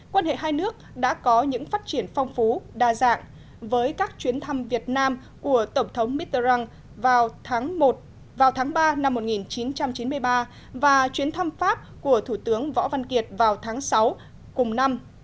quan hệ hai nước đã có những phát triển phong phú đa dạng với các chuyến thăm việt nam của tổng thống mitterrand vào tháng ba năm một nghìn chín trăm chín mươi ba và chuyến thăm pháp của thủ tướng võ văn kiệt vào tháng sáu cùng năm